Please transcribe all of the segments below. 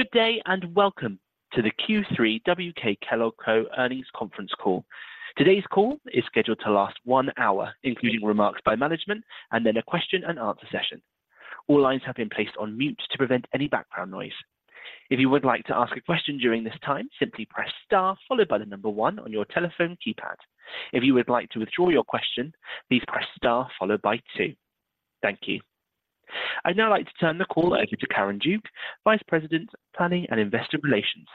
Good day, and Welcome to The Q3 WK Kellogg Co Earnings Conference Call. Today's call is scheduled to last one hour, including remarks by management and then a question-and-answer session. All lines have been placed on mute to prevent any background noise. If you would like to ask a question during this time, simply press star followed by the number one on your telephone keypad. If you would like to withdraw your question, please press star followed by two. Thank you. I'd now like to turn the call over to Karen Duke, Vice President, Planning and Investor Relations.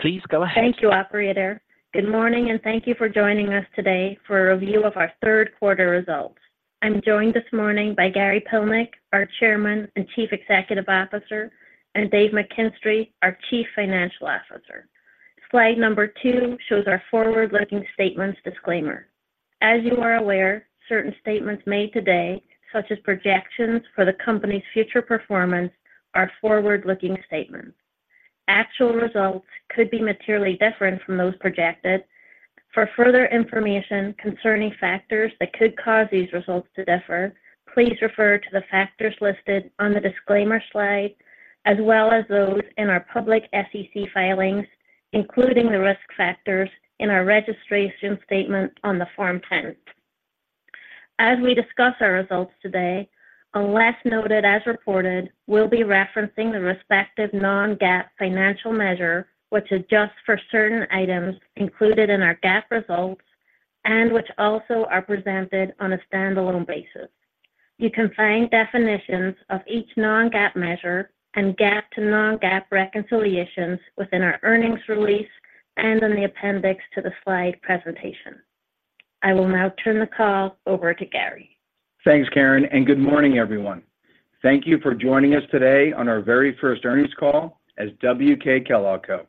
Please go ahead. Thank you, operator. Good morning, and thank you for joining us today for a review of our third quarter results. I'm joined this morning by Gary Pilnick, our Chairman and Chief Executive Officer, and Dave McKinstray, our Chief Financial Officer. Slide two shows our forward-looking statements disclaimer. As you are aware, certain statements made today, such as projections for the company's future performance, are forward-looking statements. Actual results could be materially different from those projected. For further information concerning factors that could cause these results to differ, please refer to the factors listed on the disclaimer slide, as well as those in our public SEC filings, including the risk factors in our registration statement on the Form 10. As we discuss our results today, unless noted as reported, we'll be referencing the respective non-GAAP financial measure, which adjusts for certain items included in our GAAP results and which also are presented on a standalone basis. You can find definitions of each non-GAAP measure and GAAP to non-GAAP reconciliations within our earnings release and in the appendix to the slide presentation. I will now turn the call over to Gary. Thanks, Karen, and good morning, everyone. Thank you for joining us today on our very first earnings call as WK Kellogg Co.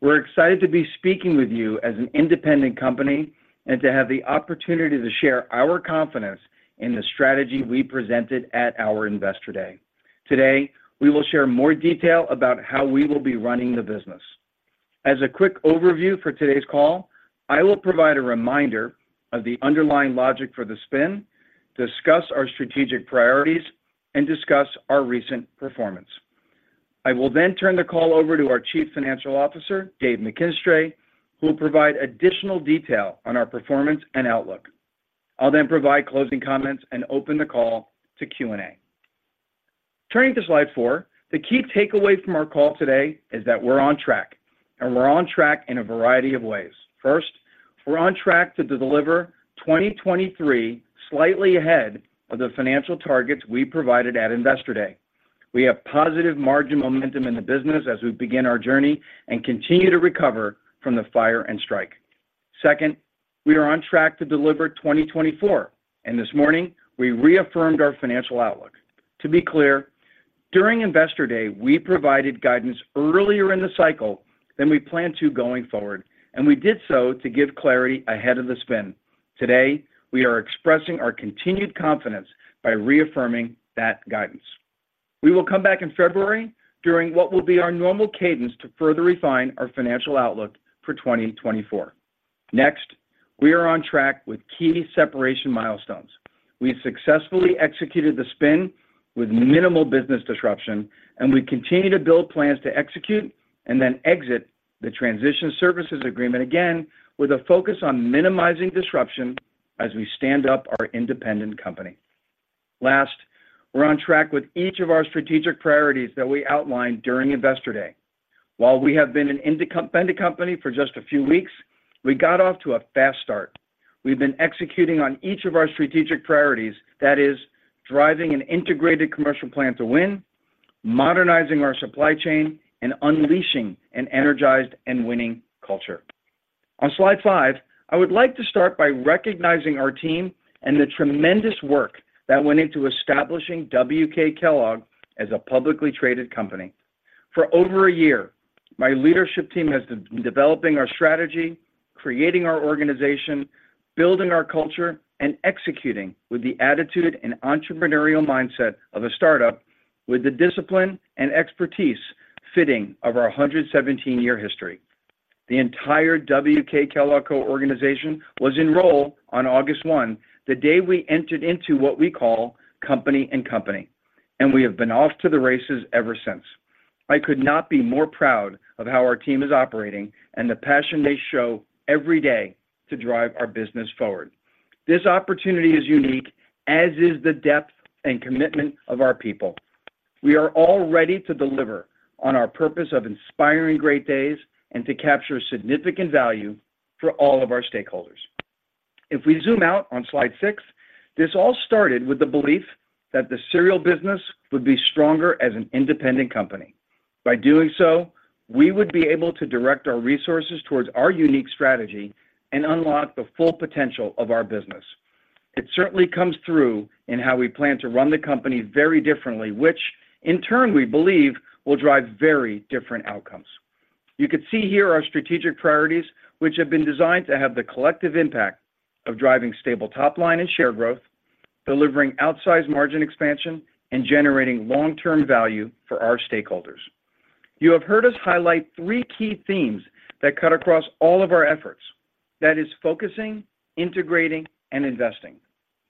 We're excited to be speaking with you as an independent company and to have the opportunity to share our confidence in the strategy we presented at our Investor Day. Today, we will share more detail about how we will be running the business. As a quick overview for today's call, I will provide a reminder of the underlying logic for the spin, discuss our strategic priorities, and discuss our recent performance. I will then turn the call over to our Chief Financial Officer, Dave McKinstray, who will provide additional detail on our performance and outlook. I'll then provide closing comments and open the call to Q&A. Turning to slide four, the key takeaway from our call today is that we're on track, and we're on track in a variety of ways. First, we're on track to deliver 2023, slightly ahead of the financial targets we provided at Investor Day. We have positive margin momentum in the business as we begin our journey and continue to recover from the fire and strike. Second, we are on track to deliver 2024, and this morning, we reaffirmed our financial outlook. To be clear, during Investor Day, we provided guidance earlier in the cycle than we plan to going forward, and we did so to give clarity ahead of the spin. Today, we are expressing our continued confidence by reaffirming that guidance. We will come back in February during what will be our normal cadence to further refine our financial outlook for 2024. Next, we are on track with key separation milestones. We've successfully executed the spin with minimal business disruption, and we continue to build plans to execute and then exit the transition services agreement, again, with a focus on minimizing disruption as we stand up our independent company. Last, we're on track with each of our strategic priorities that we outlined during Investor Day. While we have been an independent company for just a few weeks, we got off to a fast start. We've been executing on each of our strategic priorities, that is, driving an integrated commercial plan to win, modernizing our supply chain, and unleashing an energized and winning culture. On slide five, I would like to start by recognizing our team and the tremendous work that went into establishing WK Kellogg as a publicly traded company. For over a year, my leadership team has been developing our strategy, creating our organization, building our culture, and executing with the attitude and entrepreneurial mindset of a startup with the discipline and expertise fitting of our 117-year history. The entire WK Kellogg Co organization was in role on August 1, the day we entered into what we call company and company, and we have been off to the races ever since. I could not be more proud of how our team is operating and the passion they show every day to drive our business forward. This opportunity is unique, as is the depth and commitment of our people. We are all ready to deliver on our purpose of inspiring great days and to capture significant value for all of our stakeholders. If we zoom out on slide six, this all started with the belief that the cereal business would be stronger as an independent company. By doing so, we would be able to direct our resources towards our unique strategy and unlock the full potential of our business. It certainly comes through in how we plan to run the company very differently, which in turn, we believe, will drive very different outcomes. You can see here our strategic priorities, which have been designed to have the collective impact of driving stable top line and share growth, delivering outsized margin expansion, and generating long-term value for our stakeholders. You have heard us highlight three key themes that cut across all of our efforts:... That is focusing, integrating, and investing.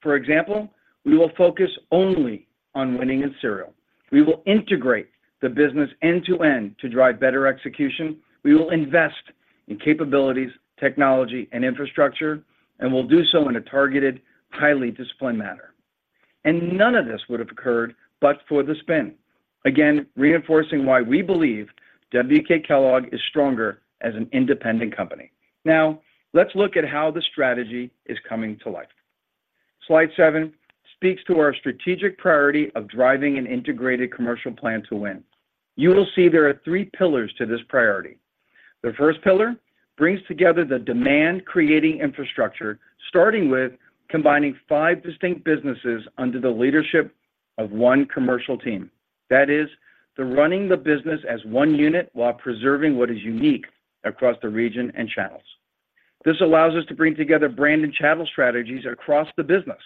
For example, we will focus only on winning in cereal. We will integrate the business end-to-end to drive better execution. We will invest in capabilities, technology, and infrastructure, and we'll do so in a targeted, highly disciplined manner. None of this would have occurred but for the spin. Again, reinforcing why we believe WK Kellogg is stronger as an independent company. Now, let's look at how the strategy is coming to life. Slide seven speaks to our strategic priority of driving an integrated commercial plan to win. You will see there are three pillars to this priority. The first pillar brings together the demand-creating infrastructure, starting with combining five distinct businesses under the leadership of one commercial team. That is, running the business as one unit while preserving what is unique across the region and channels. This allows us to bring together brand and channel strategies across the business,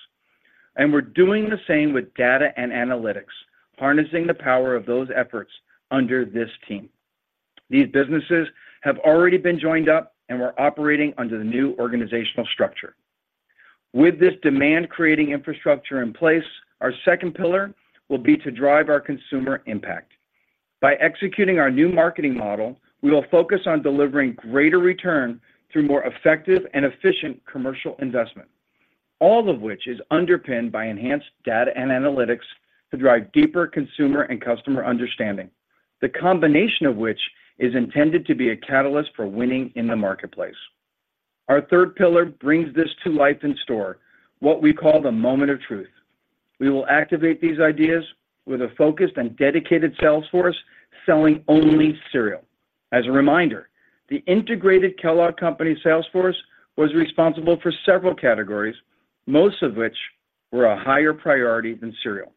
and we're doing the same with data and analytics, harnessing the power of those efforts under this team. These businesses have already been joined up and we're operating under the new organizational structure. With this demand-creating infrastructure in place, our second pillar will be to drive our consumer impact. By executing our new marketing model, we will focus on delivering greater return through more effective and efficient commercial investment. All of which is underpinned by enhanced data and analytics to drive deeper consumer and customer understanding, the combination of which is intended to be a catalyst for winning in the marketplace. Our third pillar brings this to life in store, what we call the moment of truth. We will activate these ideas with a focused and dedicated sales force selling only cereal. As a reminder, the integrated Kellogg Company sales force was responsible for several categories, most of which were a higher priority than cereal.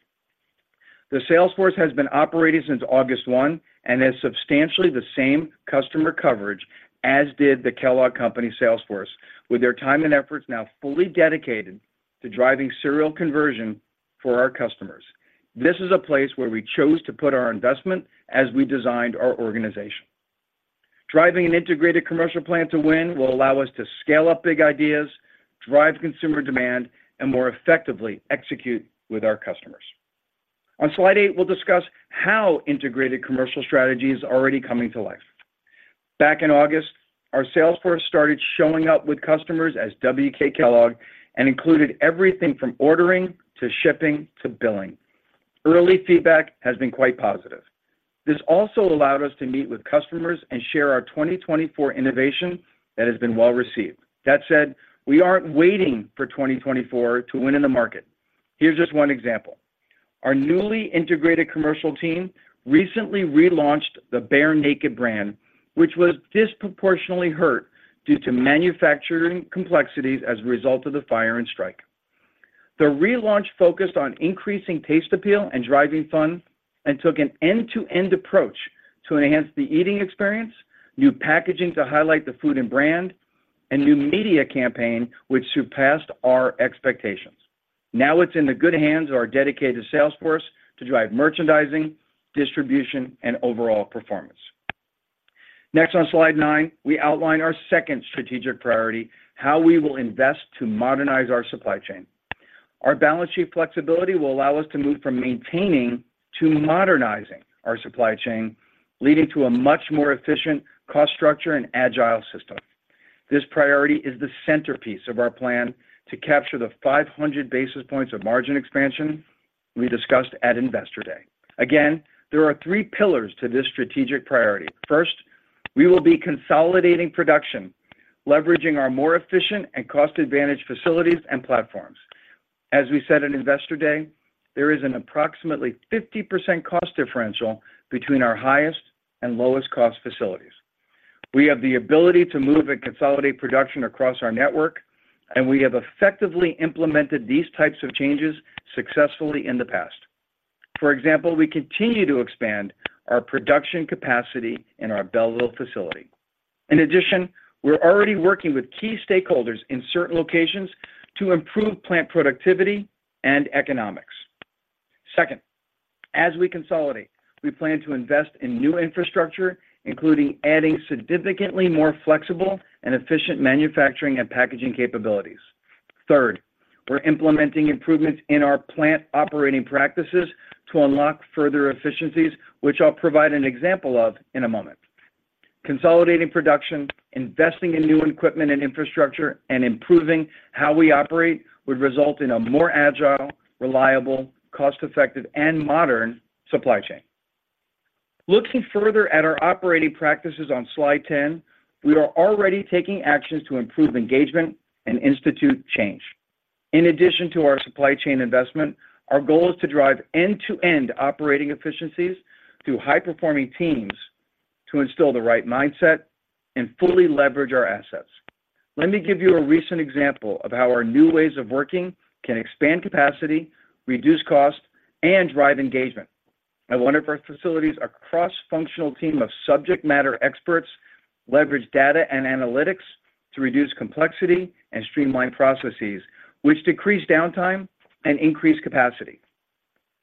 The sales force has been operating since August 1 and has substantially the same customer coverage as did the Kellogg Company sales force, with their time and efforts now fully dedicated to driving cereal conversion for our customers. This is a place where we chose to put our investment as we designed our organization. Driving an integrated commercial plan to win will allow us to scale up big ideas, drive consumer demand, and more effectively execute with our customers. On slide eight, we'll discuss how integrated commercial strategy is already coming to life. Back in August, our sales force started showing up with customers as WK Kellogg and included everything from ordering, to shipping, to billing. Early feedback has been quite positive. This also allowed us to meet with customers and share our 2024 innovation that has been well received. That said, we aren't waiting for 2024 to win in the market. Here's just one example: Our newly integrated commercial team recently relaunched the Bear Naked brand, which was disproportionately hurt due to manufacturing complexities as a result of the fire and strike. The relaunch focused on increasing taste appeal and driving fun, and took an end-to-end approach to enhance the eating experience, new packaging to highlight the food and brand, and new media campaign, which surpassed our expectations. Now it's in the good hands of our dedicated sales force to drive merchandising, distribution, and overall performance. Next, on slide nine, we outline our second strategic priority, how we will invest to modernize our supply chain. Our balance sheet flexibility will allow us to move from maintaining to modernizing our supply chain, leading to a much more efficient cost structure and agile system. This priority is the centerpiece of our plan to capture the 500 basis points of margin expansion we discussed at Investor Day. Again, there are three pillars to this strategic priority. First, we will be consolidating production, leveraging our more efficient and cost-advantaged facilities and platforms. As we said in Investor Day, there is an approximately 50% cost differential between our highest and lowest cost facilities. We have the ability to move and consolidate production across our network, and we have effectively implemented these types of changes successfully in the past. For example, we continue to expand our production capacity in our Belleville facility. In addition, we're already working with key stakeholders in certain locations to improve plant productivity and economics. Second, as we consolidate, we plan to invest in new infrastructure, including adding significantly more flexible and efficient manufacturing and packaging capabilities. Third, we're implementing improvements in our plant operating practices to unlock further efficiencies, which I'll provide an example of in a moment. Consolidating production, investing in new equipment and infrastructure, and improving how we operate would result in a more agile, reliable, cost-effective, and modern supply chain. Looking further at our operating practices on Slide 10, we are already taking actions to improve engagement and institute change. In addition to our supply chain investment, our goal is to drive end-to-end operating efficiencies through high-performing teams to instill the right mindset and fully leverage our assets. Let me give you a recent example of how our new ways of working can expand capacity, reduce cost, and drive engagement. At one of our facilities, a cross-functional team of subject matter experts leveraged data and analytics to reduce complexity and streamline processes, which decreased downtime and increased capacity....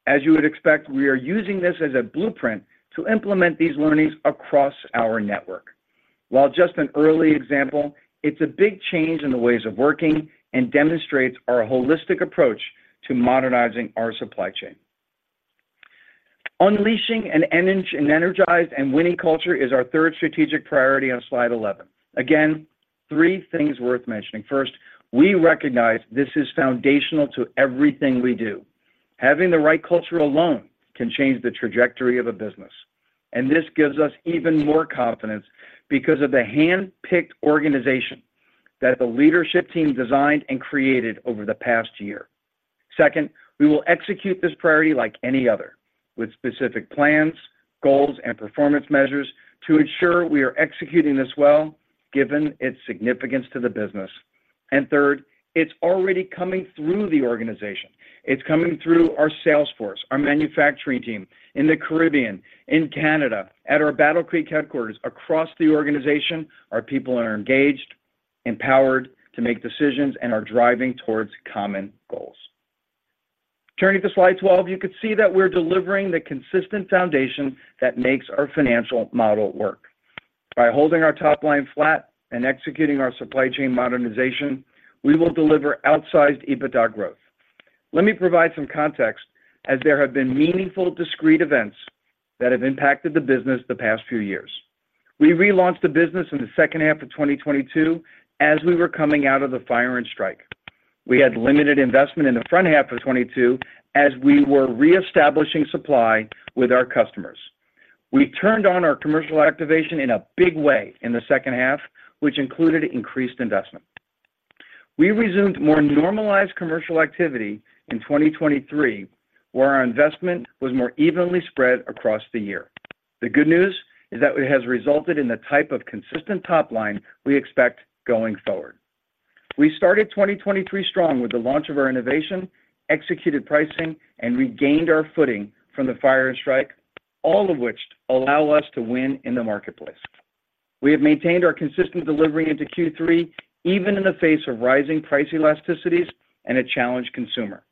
As you would expect, we are using this as a blueprint to implement these learnings across our network. While just an early example, it's a big change in the ways of working and demonstrates our holistic approach to modernizing our supply chain. Unleashing an energized and winning culture is our third strategic priority on slide 11. Again, three things worth mentioning: First, we recognize this is foundational to everything we do. Having the right culture alone can change the trajectory of a business, and this gives us even more confidence because of the handpicked organization that the leadership team designed and created over the past year. Second, we will execute this priority like any other, with specific plans, goals, and performance measures to ensure we are executing this well, given its significance to the business. And third, it's already coming through the organization. It's coming through our sales force, our manufacturing team, in the Caribbean, in Canada, at our Battle Creek headquarters. Across the organization, our people are engaged, empowered to make decisions, and are driving towards common goals. Turning to slide 12, you can see that we're delivering the consistent foundation that makes our financial model work. By holding our top line flat and executing our supply chain modernization, we will deliver outsized EBITDA growth. Let me provide some context, as there have been meaningful, discrete events that have impacted the business the past few years. We relaunched the business in the second half of 2022 as we were coming out of the fire and strike. We had limited investment in the front half of 2022 as we were reestablishing supply with our customers. We turned on our commercial activation in a big way in the second half, which included increased investment. We resumed more normalized commercial activity in 2023, where our investment was more evenly spread across the year. The good news is that it has resulted in the type of consistent top line we expect going forward. We started 2023 strong with the launch of our innovation, executed pricing, and regained our footing from the fire and strike, all of which allow us to win in the marketplace. We have maintained our consistent delivery into Q3, even in the face of rising price elasticities and a challenged consumer.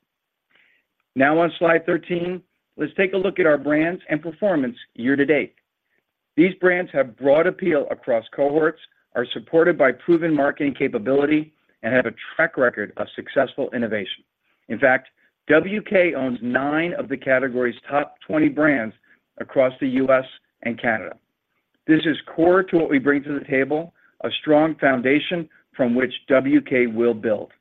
Now, on slide 13, let's take a look at our brands and performance year to date. These brands have broad appeal across cohorts, are supported by proven marketing capability, and have a track record of successful innovation. In fact, WK owns nine of the category's top 20 brands across the U.S. and Canada. This is core to what we bring to the table, a strong foundation from which WK will build.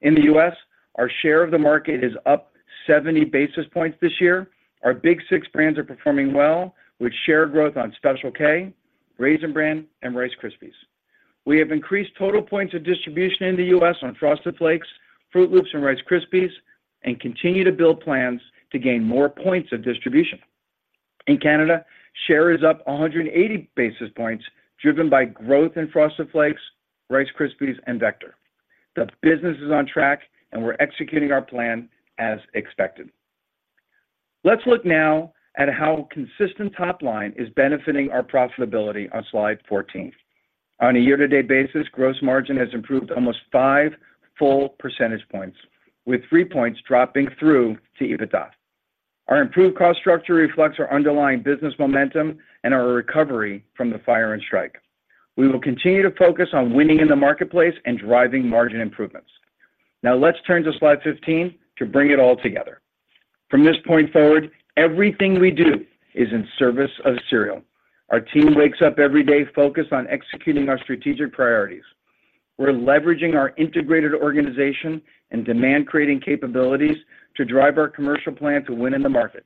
In the U.S., our share of the market is up 70 basis points this year. Our big six brands are performing well, with share growth on Special K, Raisin Bran, and Rice Krispies. We have increased total points of distribution in the U.S. on Frosted Flakes, Froot Loops, and Rice Krispies, and continue to build plans to gain more points of distribution. In Canada, share is up 180 basis points, driven by growth in Frosted Flakes, Rice Krispies, and Vector. The business is on track, and we're executing our plan as expected. Let's look now at how consistent top line is benefiting our profitability on slide 14. On a year-to-date basis, gross margin has improved almost five full %age points, with 3 points dropping through to EBITDA. Our improved cost structure reflects our underlying business momentum and our recovery from the fire and strike. We will continue to focus on winning in the marketplace and driving margin improvements. Now, let's turn to slide 15 to bring it all together. From this point forward, everything we do is in service of cereal. Our team wakes up every day focused on executing our strategic priorities. We're leveraging our integrated organization and demand-creating capabilities to drive our commercial plan to win in the market.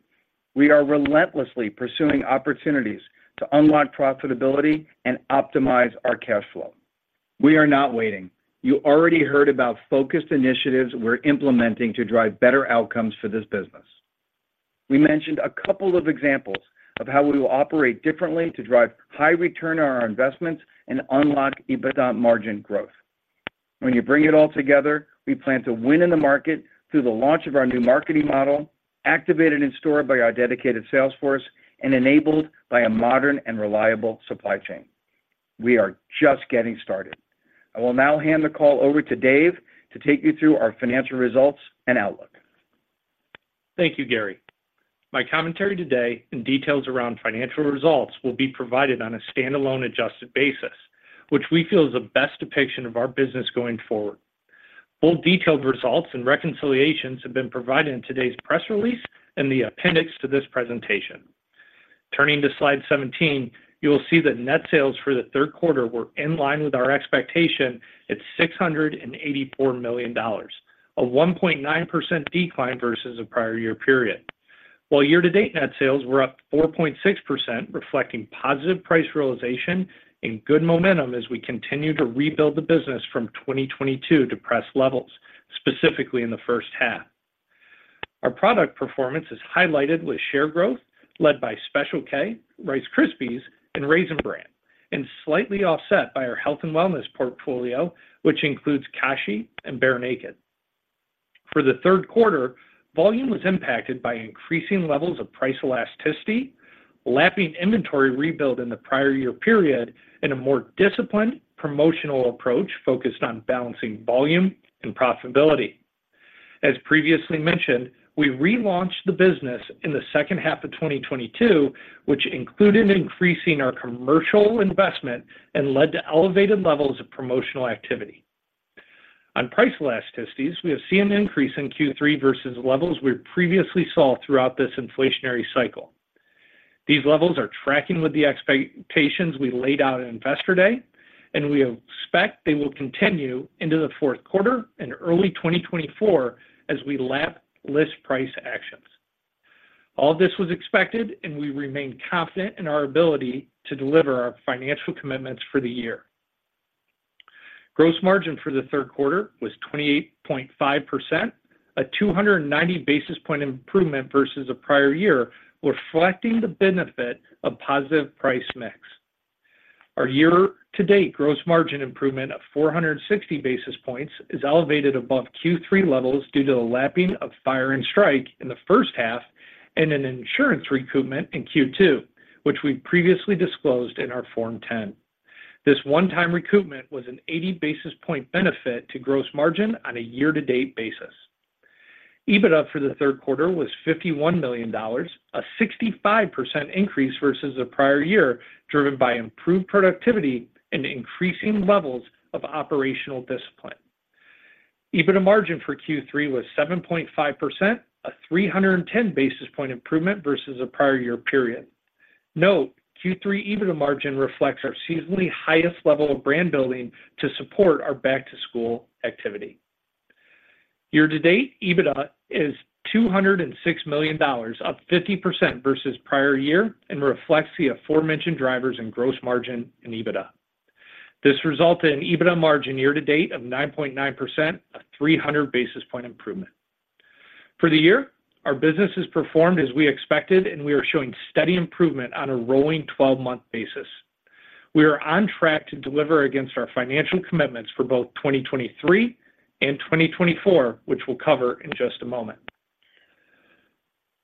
We are relentlessly pursuing opportunities to unlock profitability and optimize our cash flow. We are not waiting. You already heard about focused initiatives we're implementing to drive better outcomes for this business. We mentioned a couple of examples of how we will operate differently to drive high return on our investments and unlock EBITDA margin growth. When you bring it all together, we plan to win in the market through the launch of our new marketing model, activated in store by our dedicated sales force, and enabled by a modern and reliable supply chain. We are just getting started. I will now hand the call over to Dave to take you through our financial results and outlook. Thank you, Gary. My commentary today and details around financial results will be provided on a standalone adjusted basis, which we feel is the best depiction of our business going forward. Full detailed results and reconciliations have been provided in today's press release and the appendix to this presentation. Turning to slide 17, you will see that net sales for the third quarter were in line with our expectation at $684 million, a 1.9% decline vs the prior year period. While year-to-date net sales were up 4.6%, reflecting positive price realization and good momentum as we continue to rebuild the business from 2022 depressed levels, specifically in the first half. Our product performance is highlighted with share growth led by Special K, Rice Krispies, and Raisin Bran, and slightly offset by our health and wellness portfolio, which includes Kashi and Bear Naked. For the third quarter, volume was impacted by increasing levels of price elasticity, lapping inventory rebuild in the prior year period and a more disciplined promotional approach focused on balancing volume and profitability. As previously mentioned, we relaunched the business in the second half of 2022, which included increasing our commercial investment and led to elevated levels of promotional activity. On price elasticity, we have seen an increase in Q3 vs levels we previously saw throughout this inflationary cycle. These levels are tracking with the expectations we laid out at Investor Day, and we expect they will continue into the fourth quarter and early 2024 as we lap list price actions. All this was expected, and we remain confident in our ability to deliver our financial commitments for the year. Gross margin for the third quarter was 28.5%, a 290 basis point improvement vs the prior year, reflecting the benefit of positive price mix. Our year-to-date gross margin improvement of 460 basis points is elevated above Q3 levels due to the lapping of fire and strike in the first half and an insurance recoupment in Q2, which we previously disclosed in our Form 10. This one-time recoupment was an 80 basis point benefit to gross margin on a year-to-date basis. EBITDA for the third quarter was $51 million, a 65% increase vs the prior year, driven by improved productivity and increasing levels of operational discipline. EBITDA margin for Q3 was 7.5%, a 310 basis points improvement vs the prior year period. Note, Q3 EBITDA margin reflects our seasonally highest level of brand building to support our back-to-school activity. Year-to-date, EBITDA is $206 million, up 50% vs prior year and reflects the aforementioned drivers in gross margin and EBITDA. This resulted in EBITDA margin year to date of 9.9%, a 300 basis points improvement. For the year, our business has performed as we expected, and we are showing steady improvement on a rolling 12-month basis. We are on track to deliver against our financial commitments for both 2023 and 2024, which we'll cover in just a moment.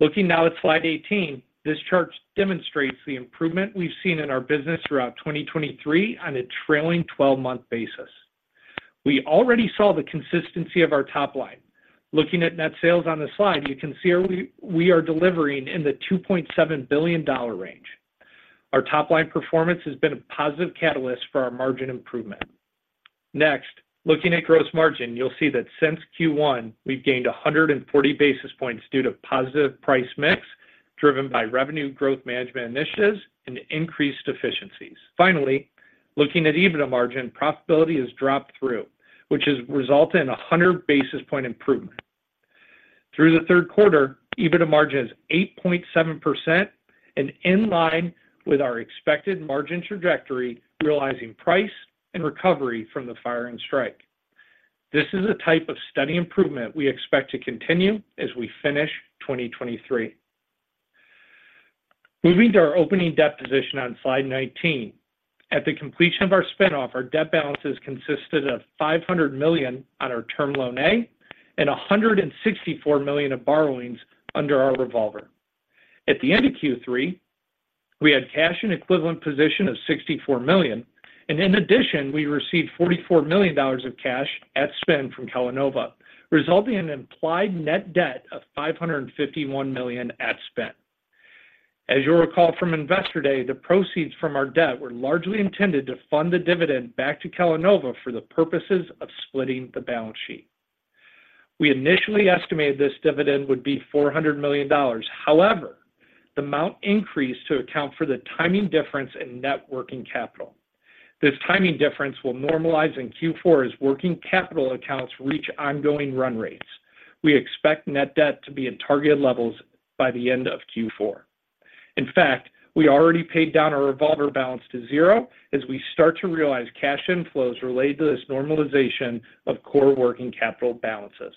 Looking now at slide 18, this chart demonstrates the improvement we've seen in our business throughout 2023 on a trailing 12-month basis. We already saw the consistency of our top line. Looking at net sales on the slide, you can see we are delivering in the $2.7 billion range. Our top-line performance has been a positive catalyst for our margin improvement. Next, looking at gross margin, you'll see that since Q1, we've gained 140 basis points due to positive price mix, driven by revenue growth management initiatives and increased efficiencies. Finally, looking at EBITDA margin, profitability has dropped through, which has resulted in a 100 basis point improvement. Through the third quarter, EBITDA margin is 8.7% and in line with our expected margin trajectory, realizing price and recovery from the fire and strike. This is a type of steady improvement we expect to continue as we finish 2023. Moving to our opening debt position on slide 19. At the completion of our spin-off, our debt balances consisted of $500 million on our Term Loan A and $164 million of borrowings under our revolver. At the end of Q3, we had cash and equivalent position of $64 million, and in addition, we received $44 million of cash at spin from Kellanova, resulting in an implied net debt of $551 million at spin. As you'll recall from Investor Day, the proceeds from our debt were largely intended to fund the dividend back to Kellanova for the purposes of splitting the balance sheet. We initially estimated this dividend would be $400 million. However, the amount increased to account for the timing difference in net working capital. This timing difference will normalize in Q4 as working capital accounts reach ongoing run rates. We expect net debt to be at targeted levels by the end of Q4. In fact, we already paid down our revolver balance to zero as we start to realize cash inflows related to this normalization of core working capital balances.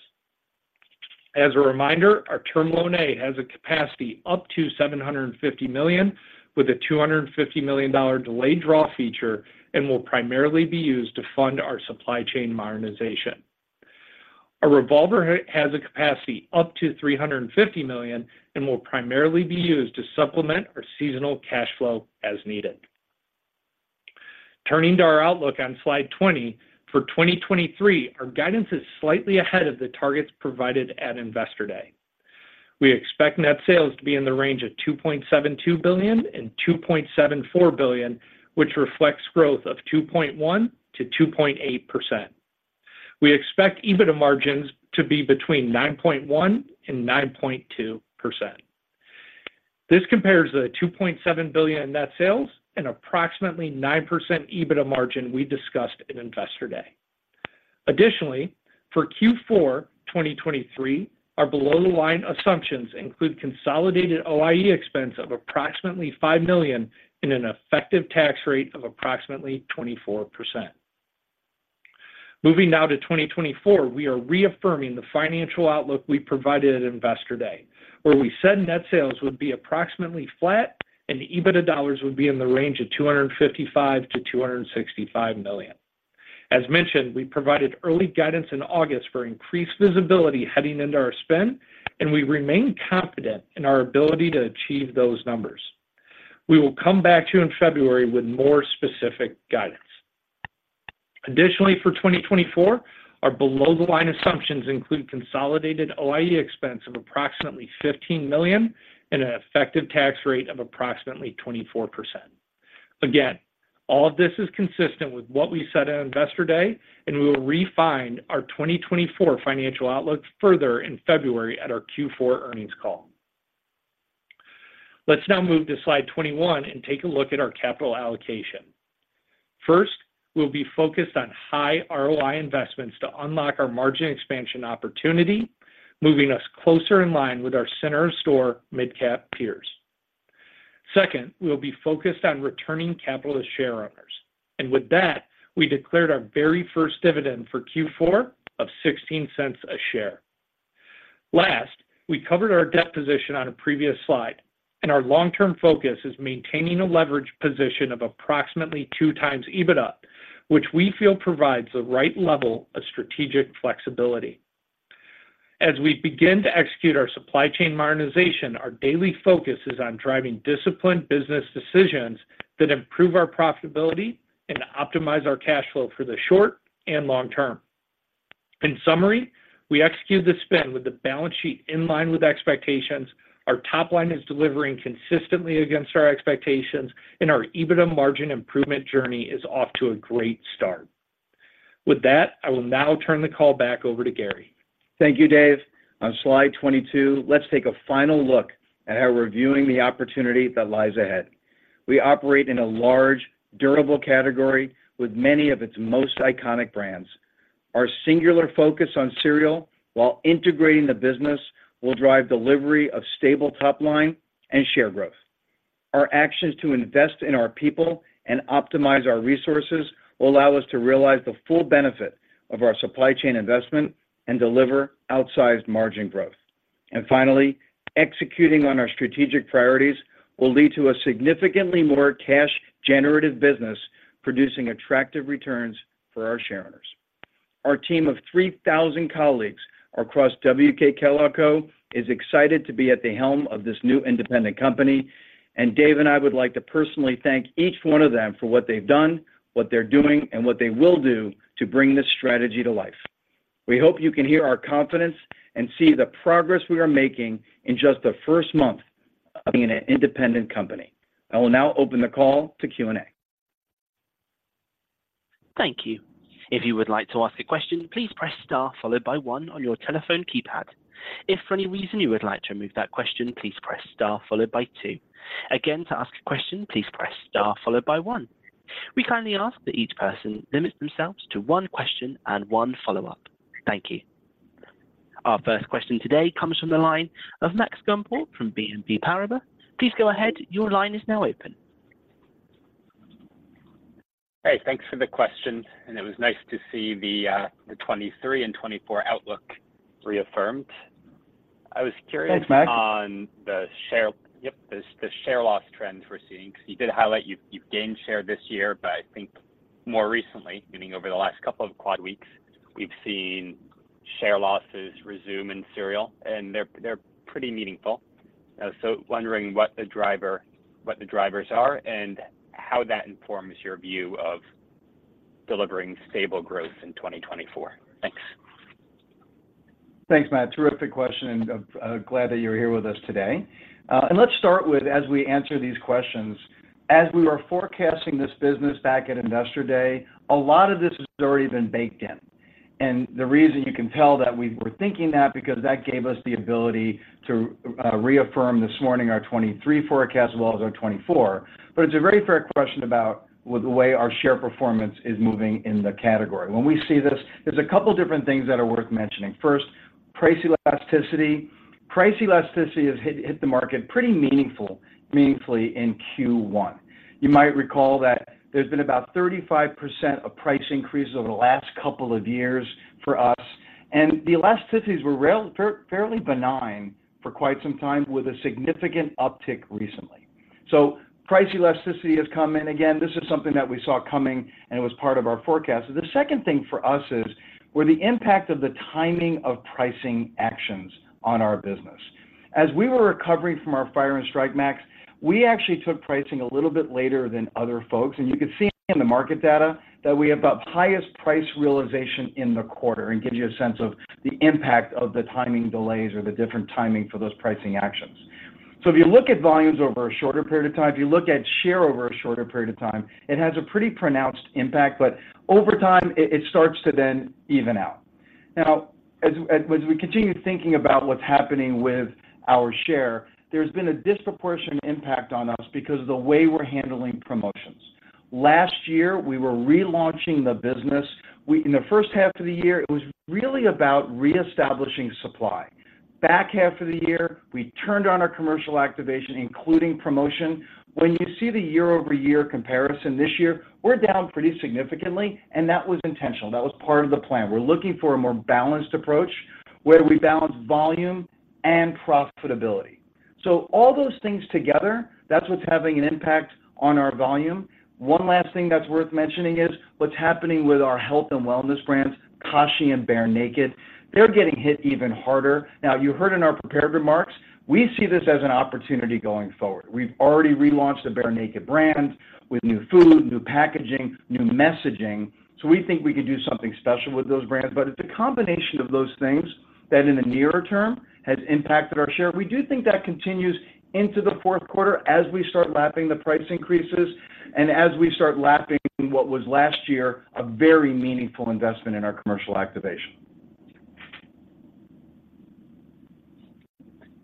As a reminder, our Term Loan A has a capacity up to $750 million, with a $250 million delayed draw feature and will primarily be used to fund our supply chain modernization. Our revolver has a capacity up to $350 million and will primarily be used to supplement our seasonal cash flow as needed. Turning to our outlook on slide 20, for 2023, our guidance is slightly ahead of the targets provided at Investor Day. We expect net sales to be in the range of $2.72 billion-$2.74 billion, which reflects growth of 2.1%-2.8%. We expect EBITDA margins to be between 9.1%-9.2%. This compares $2.7 billion in net sales and approximately 9% EBITDA margin we discussed in Investor Day. Additionally, for Q4 2023, our below-the-line assumptions include consolidated OIE expense of approximately $5 million and an effective tax rate of approximately 24%. Moving now to 2024, we are reaffirming the financial outlook we provided at Investor Day, where we said net sales would be approximately flat and EBITDA dollars would be in the range of $255 million-$265 million. As mentioned, we provided early guidance in August for increased visibility heading into our spin, and we remain confident in our ability to achieve those numbers. We will come back to you in February with more specific guidance. Additionally, for 2024, our below-the-line assumptions include consolidated OIE expense of approximately $15 million and an effective tax rate of approximately 24%. Again, all of this is consistent with what we said on Investor Day, and we will refine our 2024 financial outlook further in February at our Q4 earnings call. Let's now move to slide 21 and take a look at our capital allocation. First, we'll be focused on high ROI investments to unlock our margin expansion opportunity, moving us closer in line with our center-of-store mid-cap peers. Second, we will be focused on returning capital to share owners, and with that, we declared our very first dividend for Q4 of $0.16 per share. Last, we covered our debt position on a previous slide, and our long-term focus is maintaining a leverage position of approximately 2x EBITDA, which we feel provides the right level of strategic flexibility. As we begin to execute our supply chain modernization, our daily focus is on driving disciplined business decisions that improve our profitability and optimize our cash flow for the short and long term. In summary, we execute the spin with the balance sheet in line with expectations. Our top line is delivering consistently against our expectations, and our EBITDA margin improvement journey is off to a great start. With that, I will now turn the call back over to Gary. Thank you, Dave. On slide 22, let's take a final look at how we're viewing the opportunity that lies ahead. We operate in a large, durable category with many of its most iconic brands. Our singular focus on cereal while integrating the business, will drive delivery of stable top line and share growth. Our actions to invest in our people and optimize our resources will allow us to realize the full benefit of our supply chain investment and deliver outsized margin growth. And finally, executing on our strategic priorities will lead to a significantly more cash-generative business, producing attractive returns for our shareholders. Our team of 3,000 colleagues across WK Kellogg Co. is excited to be at the helm of this new independent company, and Dave and I would like to personally thank each one of them for what they've done, what they're doing, and what they will do to bring this strategy to life. We hope you can hear our confidence and see the progress we are making in just the first month of being an independent company. I will now open the call to Q&A. Thank you. If you would like to ask a question, please press star followed by one on your telephone keypad. If for any reason you would like to remove that question, please press star followed by two. Again, to ask a question, please press star followed by one. We kindly ask that each person limits themselves to one question and one follow-up. Thank you. Our first question today comes from the line of Max Gumport from BNP Paribas. Please go ahead. Your line is now open. Hey, thanks for the question, and it was nice to see the 2023 and 2024 outlook reaffirmed. I was curious- Thanks, Max ...on the share, yep, the share loss trends we're seeing, because you did highlight you've gained share this year, but I think more recently, meaning over the last couple of quad weeks, we've seen share losses resume in cereal, and they're pretty meaningful. So wondering what the driver—what the drivers are and how that informs your view of delivering stable growth in 2024. Thanks. Thanks, Max. Terrific question, and glad that you're here with us today. Let's start with, as we answer these questions, as we were forecasting this business back at Investor Day, a lot of this has already been baked in. The reason you can tell that we were thinking that, because that gave us the ability to reaffirm this morning our 2023 forecast as well as our 2024. But it's a very fair question about with the way our share performance is moving in the category. When we see this, there's a couple of different things that are worth mentioning. First, price elasticity. Price elasticity has hit the market pretty meaningful, meaningfully in Q1. You might recall that there's been about 35% of price increases over the last couple of years for us, and the elasticities were relatively benign for quite some time, with a significant uptick recently. So price elasticity has come in again. This is something that we saw coming, and it was part of our forecast. The second thing for us is where the impact of the timing of pricing actions on our business. As we were recovering from our fire and strike, Max, we actually took pricing a little bit later than other folks, and you could see in the market data that we have the highest price realization in the quarter and gives you a sense of the impact of the timing delays or the different timing for those pricing actions. So if you look at volumes over a shorter period of time, if you look at share over a shorter period of time, it has a pretty pronounced impact, but over time, it, it starts to then even out. Now, as, as we continue thinking about what's happening with our share, there's been a disproportionate impact on us because of the way we're handling promotions. Last year, we were relaunching the business. We. In the first half of the year, it was really about reestablishing supply. Back half of the year, we turned on our commercial activation, including promotion. When you see the year-over-year comparison this year, we're down pretty significantly, and that was intentional. That was part of the plan. We're looking for a more balanced approach where we balance volume and profitability. So all those things together, that's what's having an impact on our volume. One last thing that's worth mentioning is what's happening with our health and wellness brands, Kashi and Bear Naked, they're getting hit even harder. Now, you heard in our prepared remarks, we see this as an opportunity going forward. We've already relaunched the Bear Naked brand with new food, new packaging, new messaging, so we think we could do something special with those brands. But it's a combination of those things that in the nearer term has impacted our share. We do think that continues into the fourth quarter as we start lapping the price increases and as we start lapping what was last year, a very meaningful investment in our commercial activation.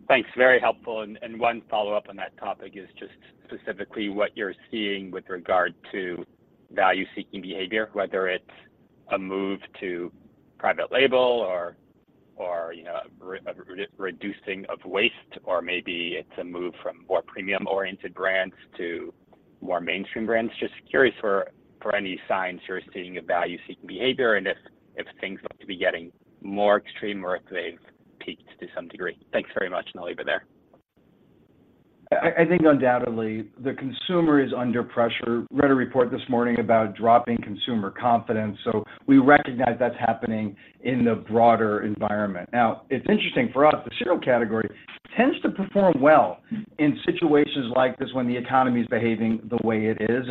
Thanks, very helpful. And one follow-up on that topic is just specifically what you're seeing with regard to value-seeking behavior, whether it's a move to private label or, you know, a reducing of waste, or maybe it's a move from more premium-oriented brands to more mainstream brands. Just curious for any signs you're seeing of value-seeking behavior and if things look to be getting more extreme or if they've peaked to some degree. Thanks very much, and I'll leave it there. I, I think undoubtedly, the consumer is under pressure. Read a report this morning about dropping consumer confidence, so we recognize that's happening in the broader environment. Now, it's interesting for us, the cereal category tends to perform well in situations like this when the economy is behaving the way it is.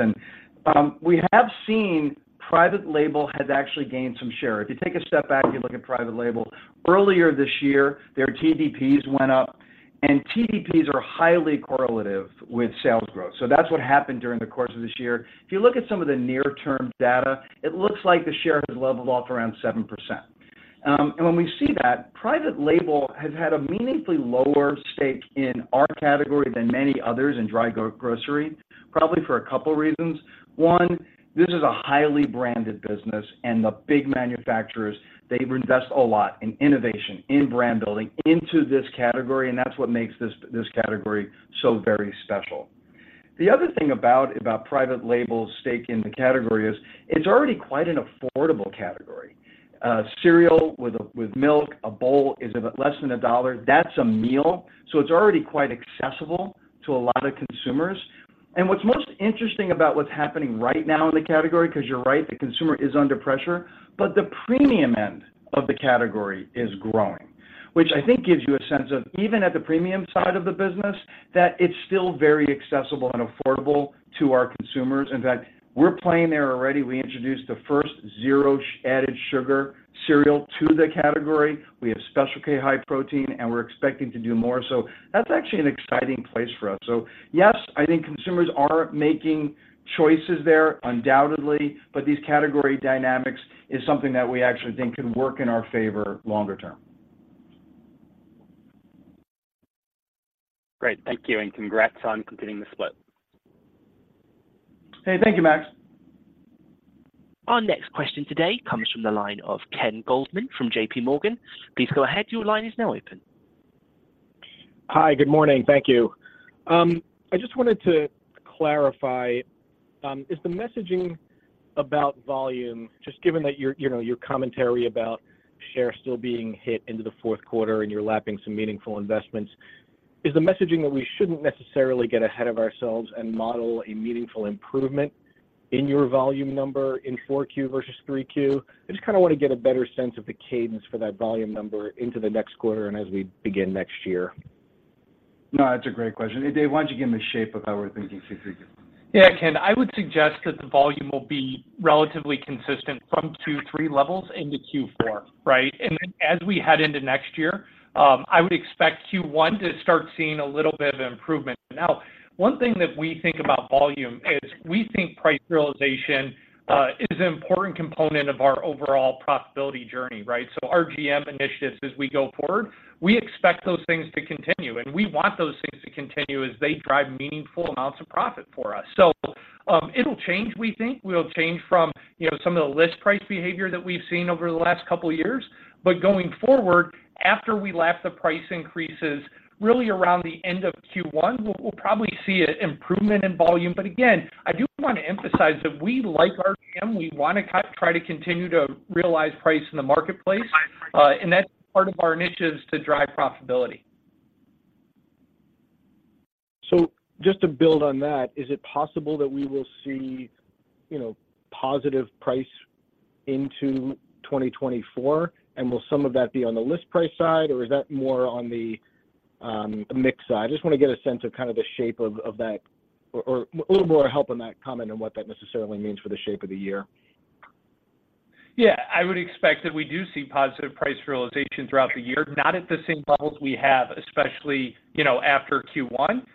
We have seen private label has actually gained some share. If you take a step back and you look at private label, earlier this year, their TDPs went up, and TDPs are highly correlative with sales growth. That's what happened during the course of this year. If you look at some of the near-term data, it looks like the share has leveled off around 7%. And when we see that, private label has had a meaningfully lower stake in our category than many others in dry grocery, probably for a couple reasons. One, this is a highly branded business, and the big manufacturers, they invest a lot in innovation, in brand building into this category, and that's what makes this, this category so very special. The other thing about private label's stake in the category is, it's already quite an affordable category. Cereal with milk, a bowl is less than $1. That's a meal, so it's already quite accessible to a lot of consumers. And what's most interesting about what's happening right now in the category, because you're right, the consumer is under pressure, but the premium end of the category is growing, which I think gives you a sense of even at the premium side of the business, that it's still very accessible and affordable to our consumers. In fact, we're playing there already. We introduced the first zero added sugar cereal to the category. We have Special K High Protein, and we're expecting to do more. So that's actually an exciting place for us. So yes, I think consumers are making choices there, undoubtedly, but these category dynamics is something that we actually think can work in our favor longer term. Great. Thank you, and congrats on completing the split. Hey, thank you, Max. Our next question today comes from the line of Ken Goldman from JPMorgan. Please go ahead. Your line is now open. Hi, good morning. Thank you. I just wanted to clarify, is the messaging about volume, just given that your, you know, your commentary about share still being hit into the fourth quarter and you're lapping some meaningful investments, is the messaging that we shouldn't necessarily get ahead of ourselves and model a meaningful improvement in your volume number in Q4 vs 3Q? I just kinda wanna get a better sense of the cadence for that volume number into the next quarter and as we begin next year. No, that's a great question. Dave, why don't you give him the shape of how we're thinking six weeks? Yeah, Ken, I would suggest that the volume will be relatively consistent from two to three levels into Q4, right? And then as we head into next year, I would expect Q1 to start seeing a little bit of improvement. Now, one thing that we think about volume is we think price realization is an important component of our overall profitability journey, right? So RGM initiatives, as we go forward, we expect those things to continue, and we want those things to continue as they drive meaningful amounts of profit for us. So, it'll change, we think. We'll change from, you know, some of the list price behavior that we've seen over the last couple of years. But going forward, after we lap the price increases, really around the end of Q1, we'll probably see a improvement in volume. But again, I do want to emphasize that we like RGM. We want to try to continue to realize price in the marketplace, and that's part of our initiatives to drive profitability. So just to build on that, is it possible that we will see, you know, positive price into 2024? And will some of that be on the list price side, or is that more on the mix side? I just want to get a sense of kind of the shape of that or a little more help on that comment and what that necessarily means for the shape of the year. Yeah, I would expect that we do see positive price realization throughout the year, not at the same levels we have, especially, you know, after Q1.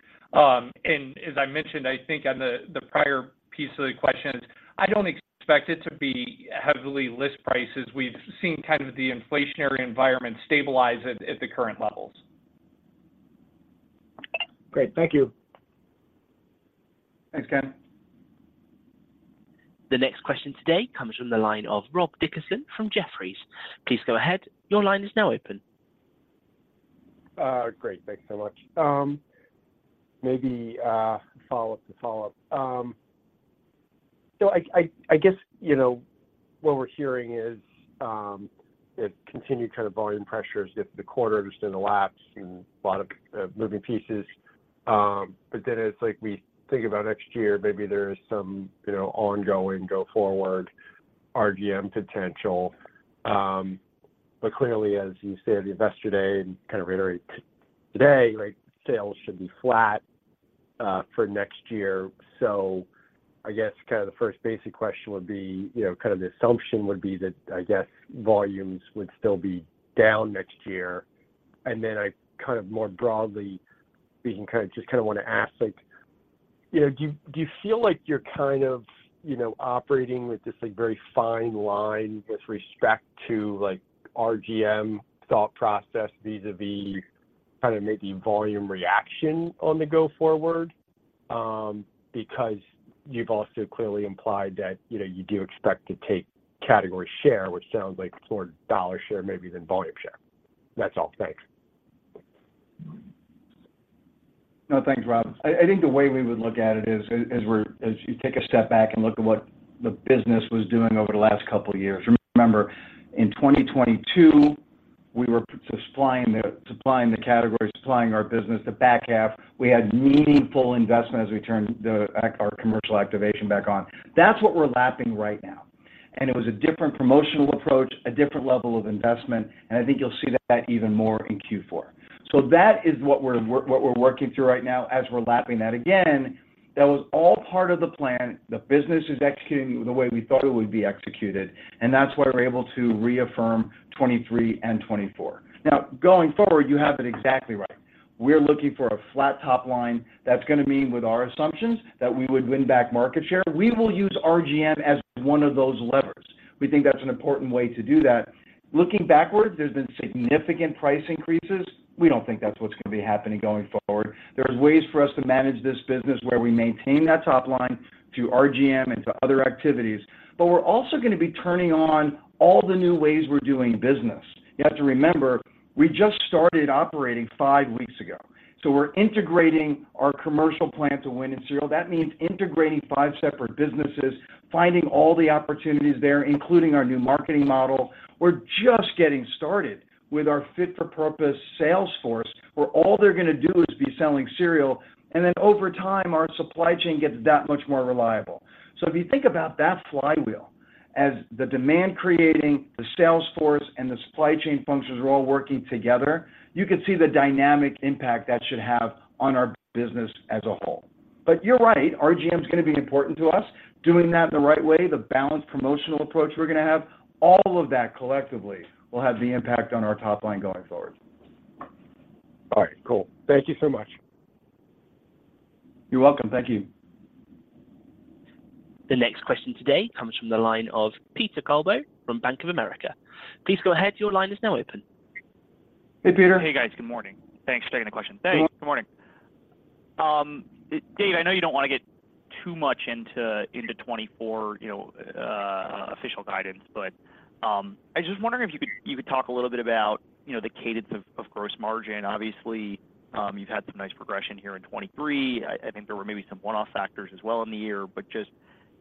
And as I mentioned, I think on the prior piece of the question, I don't expect it to be heavily list prices. We've seen kind of the inflationary environment stabilize at the current levels. Great. Thank you. Thanks, Ken. The next question today comes from the line of Rob Dickerson from Jefferies. Please go ahead. Your line is now open. Great. Thanks so much. Maybe, follow-up to follow up. ... So I guess, you know, what we're hearing is, it continued kind of volume pressures in the quarter just in the laps and a lot of moving pieces. But then as we think about next year, maybe there is some, you know, ongoing go forward RGM potential. But clearly, as you said, the Investor Day and kind of reiterate today, like, sales should be flat for next year. So I guess kind of the first basic question would be, you know, kind of the assumption would be that, I guess, volumes would still be down next year. I kind of more broadly speaking, kind of just kinda wanna ask, like, you know, do you, do you feel like you're kind of, you know, operating with this, like, very fine line with respect to, like, RGM thought process vis-a-vis kinda maybe volume reaction on the go forward? Because you've also clearly implied that, you know, you do expect to take category share, which sounds like more dollar share maybe than volume share. That's all. Thanks. No, thanks, Rob. I, I think the way we would look at it is, is as we're as you take a step back and look at what the business was doing over the last couple of years. Remember, in 2022, we were supplying the, supplying the category, supplying our business, the back half. We had meaningful investment as we turned the, our commercial activation back on. That's what we're lapping right now, and it was a different promotional approach, a different level of investment, and I think you'll see that even more in Q4. So that is what we're, what we're working through right now as we're lapping that. Again, that was all part of the plan. The business is executing the way we thought it would be executed, and that's why we're able to reaffirm 2023 and 2024. Now, going forward, you have it exactly right. We're looking for a flat top line. That's gonna mean with our assumptions, that we would win back market share. We will use RGM as one of those levers. We think that's an important way to do that. Looking backwards, there's been significant price increases. We don't think that's what's gonna be happening going forward. There's ways for us to manage this business, where we maintain that top line through RGM and to other activities. But we're also gonna be turning on all the new ways we're doing business. You have to remember, we just started operating five weeks ago, so we're integrating our commercial plan to win in cereal. That means integrating five separate businesses, finding all the opportunities there, including our new marketing model. We're just getting started with our fit-for-purpose sales force, where all they're gonna do is be selling cereal, and then over time, our supply chain gets that much more reliable. So if you think about that flywheel as the demand creating, the sales force, and the supply chain functions are all working together, you can see the dynamic impact that should have on our business as a whole. But you're right, RGM is gonna be important to us. Doing that the right way, the balanced promotional approach we're gonna have, all of that collectively will have the impact on our top line going forward. All right, cool. Thank you so much. You're welcome. Thank you. The next question today comes from the line of Peter Galbo from Bank of America. Please go ahead. Your line is now open. Hey, Peter. Hey, guys. Good morning. Thanks for taking the question. Hey, good morning. Dave, I know you don't want to get too much into, into 2024, you know, official guidance, but, I was just wondering if you could, you could talk a little bit about, you know, the cadence of, of gross margin. Obviously, you've had some nice progression here in 2023. I think there were maybe some one-off factors as well in the year, but just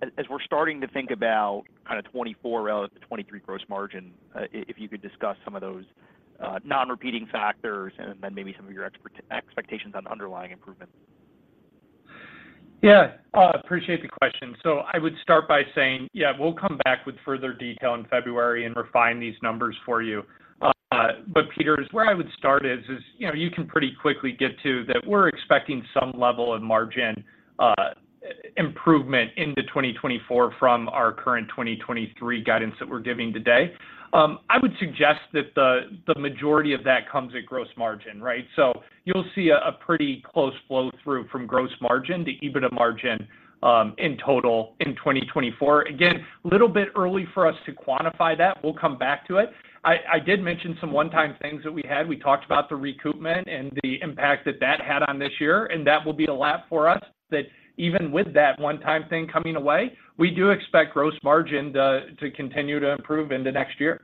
as, as we're starting to think about kind of 2024 relative to 2023 gross margin, if, if you could discuss some of those, non-repeating factors and then maybe some of your expectations on underlying improvement. Yeah, appreciate the question. So I would start by saying, yeah, we'll come back with further detail in February and refine these numbers for you. But Peter, where I would start is, you know, you can pretty quickly get to that we're expecting some level of margin improvement into 2024 from our current 2023 guidance that we're giving today. I would suggest that the majority of that comes at gross margin, right? So you'll see a pretty close flow-through from gross margin to EBITDA margin, in total in 2024. Again, a little bit early for us to quantify that. We'll come back to it. I did mention some one-time things that we had. We talked about the recoupment and the impact that that had on this year, and that will be a lap for us, that even with that one-time thing coming away, we do expect gross margin to continue to improve into next year.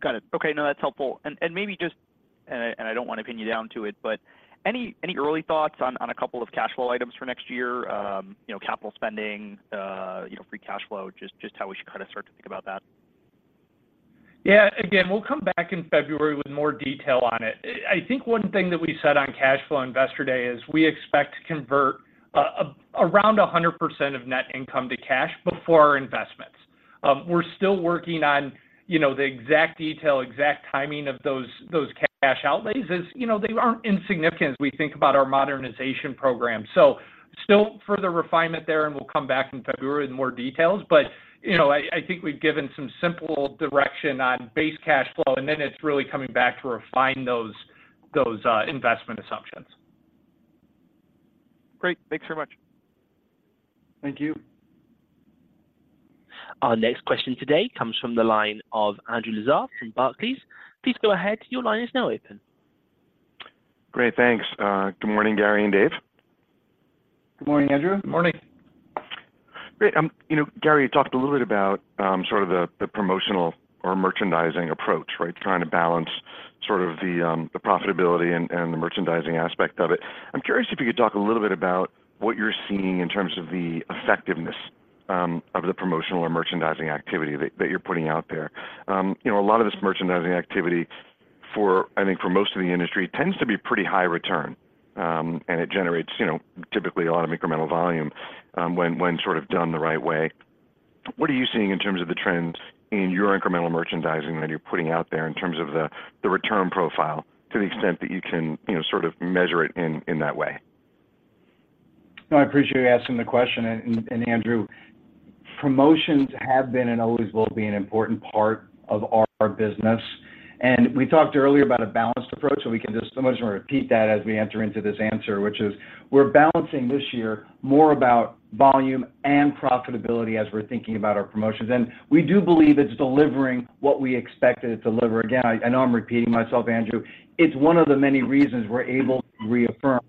Got it. Okay, no, that's helpful. And maybe just... And I don't want to pin you down to it, but any early thoughts on a couple of cash flow items for next year? You know, capital spending, you know, free cash flow, just how we should kind of start to think about that. Yeah, again, we'll come back in February with more detail on it. I think one thing that we said on cash flow on Investor Day is we expect to convert around 100% of net income to cash before our investments. We're still working on, you know, the exact detail, exact timing of those cash outlays. As you know, they aren't insignificant as we think about our modernization program. So still further refinement there, and we'll come back in February with more details. But, you know, I think we've given some simple direction on base cash flow, and then it's really coming back to refine those investment assumptions. Great. Thanks so much. Thank you. Our next question today comes from the line of Andrew Lazar from Barclays. Please go ahead. Your line is now open. Great, thanks. Good morning, Gary and Dave. Good morning, Andrew. Morning. Great, you know, Gary, you talked a little bit about sort of the promotional or merchandising approach, right? Trying to balance-... sort of the profitability and the merchandising aspect of it. I'm curious if you could talk a little bit about what you're seeing in terms of the effectiveness of the promotional or merchandising activity that you're putting out there. You know, a lot of this merchandising activity for, I think, for most of the industry tends to be pretty high return, and it generates, you know, typically a lot of incremental volume, when sort of done the right way. What are you seeing in terms of the trends in your incremental merchandising that you're putting out there in terms of the return profile to the extent that you can, you know, sort of measure it in that way? No, I appreciate you asking the question, and Andrew, promotions have been and always will be an important part of our business. We talked earlier about a balanced approach, so we can just almost repeat that as we enter into this answer, which is: We're balancing this year more about volume and profitability as we're thinking about our promotions. And we do believe it's delivering what we expect it to deliver. Again, I know I'm repeating myself, Andrew. It's one of the many reasons we're able to reaffirm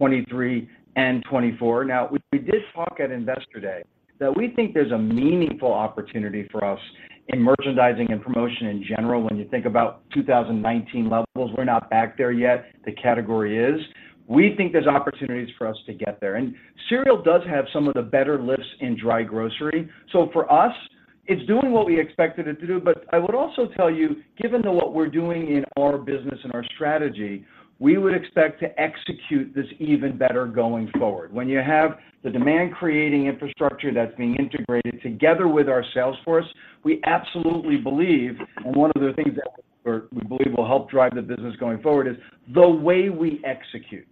2023 and 2024. Now, we did talk at Investor Day, that we think there's a meaningful opportunity for us in merchandising and promotion in general. When you think about 2019 levels, we're not back there yet. The category is. We think there's opportunities for us to get there. Cereal does have some of the better lifts in dry grocery. So for us, it's doing what we expected it to do, but I would also tell you, given to what we're doing in our business and our strategy, we would expect to execute this even better going forward. When you have the demand-creating infrastructure that's being integrated together with our sales force, we absolutely believe, and one of the things that we're-- we believe will help drive the business going forward is the way we execute.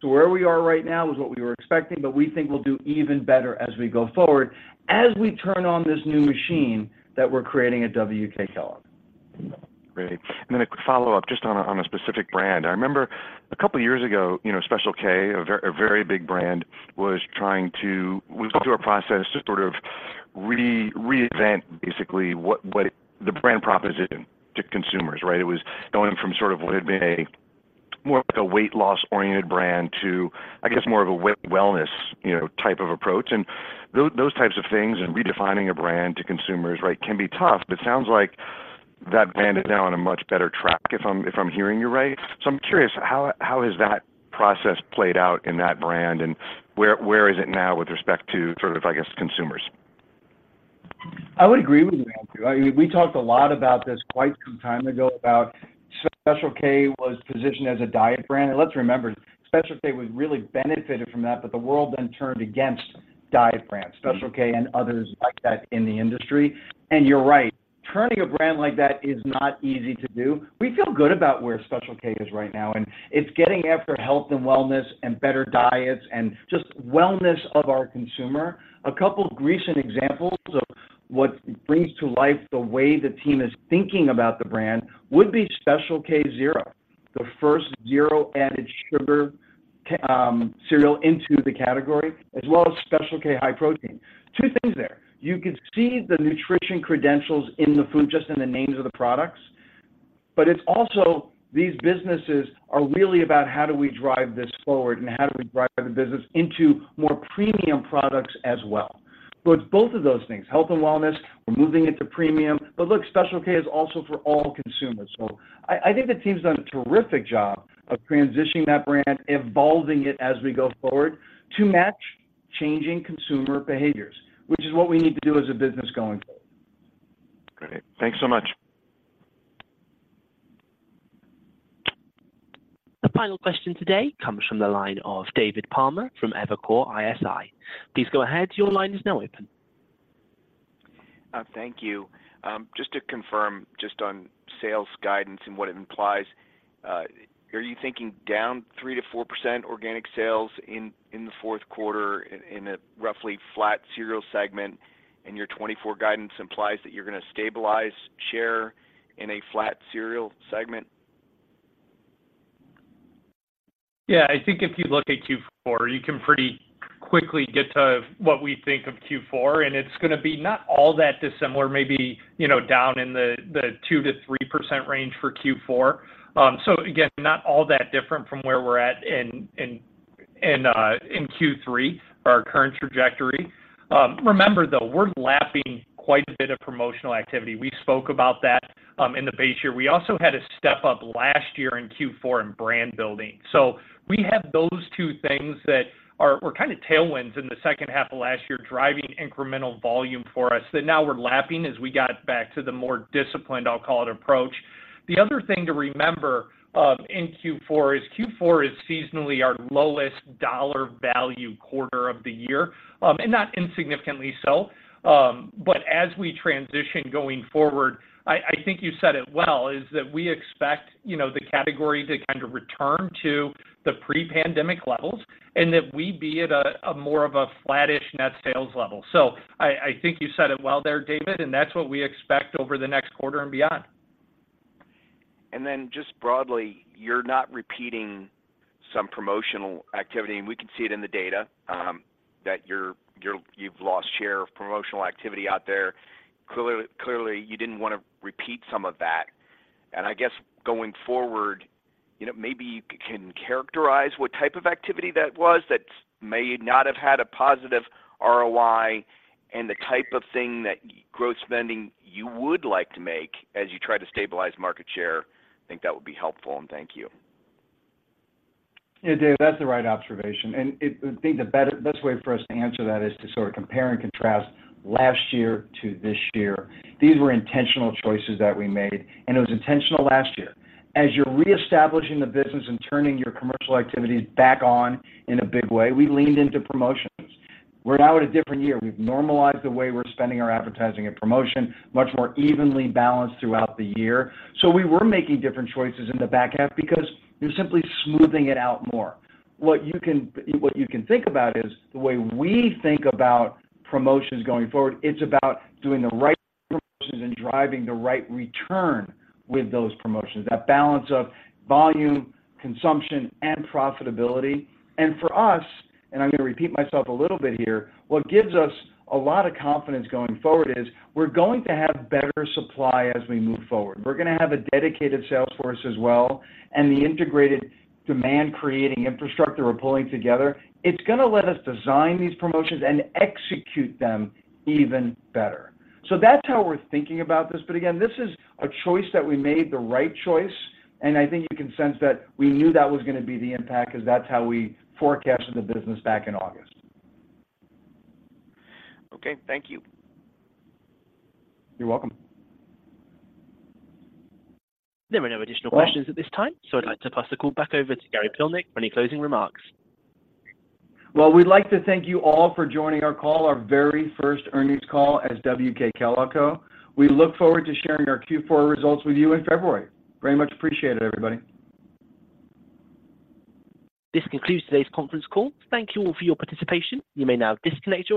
So where we are right now is what we were expecting, but we think we'll do even better as we go forward, as we turn on this new machine that we're creating at WK Kellogg. Great. And then a quick follow-up, just on a specific brand. I remember a couple of years ago, you know, Special K, a very big brand, was trying to... went through a process to sort of reinvent, basically, what the brand proposition to consumers, right? It was going from sort of what had been a more of like a weight loss-oriented brand to, I guess, more of a wellness, you know, type of approach. And those types of things and redefining a brand to consumers, right, can be tough, but it sounds like that brand is now on a much better track, if I'm hearing you right. So I'm curious, how has that process played out in that brand, and where is it now with respect to sort of, I guess, consumers? I would agree with you, Andrew. I mean, we talked a lot about this quite some time ago, about Special K was positioned as a diet brand. And let's remember, Special K was really benefited from that, but the world then turned against diet brands, Special K and others like that in the industry. And you're right, turning a brand like that is not easy to do. We feel good about where Special K is right now, and it's getting after health and wellness and better diets and just wellness of our consumer. A couple of recent examples of what brings to life the way the team is thinking about the brand would be Special K Zero, the first zero added sugar cereal into the category, as well as Special K High Protein. Two things there. You can see the nutrition credentials in the food, just in the names of the products, but it's also, these businesses are really about how do we drive this forward and how do we drive the business into more premium products as well. So it's both of those things, health and wellness, we're moving into premium. But look, Special K is also for all consumers. So I think the team's done a terrific job of transitioning that brand, evolving it as we go forward to match changing consumer behaviors, which is what we need to do as a business going forward. Great. Thanks so much. The final question today comes from the line of David Palmer from Evercore ISI. Please go ahead. Your line is now open. Thank you. Just to confirm, just on sales guidance and what it implies, are you thinking down 3%-4% organic sales in the fourth quarter in a roughly flat cereal segment, and your 2024 guidance implies that you're going to stabilize share in a flat cereal segment? Yeah, I think if you look at Q4, you can pretty quickly get to what we think of Q4, and it's going to be not all that dissimilar, maybe, you know, down in the 2%-3% range for Q4. So again, not all that different from where we're at in Q3, our current trajectory. Remember, though, we're lapping quite a bit of promotional activity. We spoke about that in the base year. We also had a step-up last year in Q4 in brand building. So we have those two things that were kind of tailwinds in the second half of last year, driving incremental volume for us, that now we're lapping as we got back to the more disciplined, I'll call it, approach. The other thing to remember, in Q4 is Q4 is seasonally our lowest dollar value quarter of the year, and not insignificantly so. But as we transition going forward, I think you said it well, is that we expect, you know, the category to kind of return to the pre-pandemic levels, and that we be at a more of a flattish net sales level. So I think you said it well there, David, and that's what we expect over the next quarter and beyond. And then just broadly, you're not repeating some promotional activity, and we can see it in the data, that you've lost share of promotional activity out there. Clearly, clearly, you didn't want to repeat some of that. And I guess going forward, you know, maybe you can characterize what type of activity that was that may not have had a positive ROI and the type of thing that growth spending you would like to make as you try to stabilize market share. I think that would be helpful, and thank you. Yeah, Dave, that's the right observation, and it, I think the better, best way for us to answer that is to sort of compare and contrast last year to this year. These were intentional choices that we made, and it was intentional last year. As you're reestablishing the business and turning your commercial activities back on in a big way, we leaned into promotions. We're now at a different year. We've normalized the way we're spending our advertising and promotion, much more evenly balanced throughout the year. So we were making different choices in the back half because you're simply smoothing it out more. What you can, what you can think about is, the way we think about promotions going forward, it's about doing the right promotions and driving the right return with those promotions. That balance of volume, consumption, and profitability. For us, and I'm gonna repeat myself a little bit here, what gives us a lot of confidence going forward is, we're going to have better supply as we move forward. We're gonna have a dedicated sales force as well, and the integrated demand-creating infrastructure we're pulling together, it's gonna let us design these promotions and execute them even better. So that's how we're thinking about this. But again, this is a choice that we made, the right choice, and I think you can sense that we knew that was gonna be the impact because that's how we forecasted the business back in August. Okay. Thank you. You're welcome. There are no additional questions at this time, so I'd like to pass the call back over to Gary Pilnick for any closing remarks. Well, we'd like to thank you all for joining our call, our very first earnings call as WK Kellogg Co. We look forward to sharing our Q4 results with you in February. Very much appreciated, everybody. This concludes today's conference call. Thank you all for your participation. You may now disconnect your-